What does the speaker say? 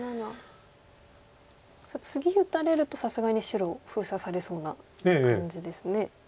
次打たれるとさすがに白封鎖されそうな感じですね。